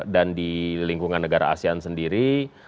dan di lingkungan negara asean sendiri